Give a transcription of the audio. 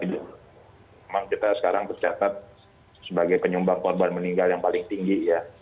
memang kita sekarang tercatat sebagai penyumbang korban meninggal yang paling tinggi ya